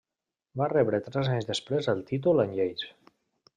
Va rebre tres anys després el títol en lleis.